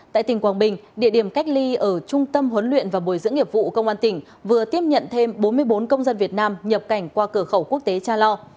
tại tỉnh quảng bình địa điểm cách ly ở trung tâm huấn luyện và bồi dưỡng nghiệp vụ công an tỉnh vừa tiếp nhận thêm bốn mươi bốn công dân việt nam nhập cảnh qua cửa khẩu quốc tế cha lo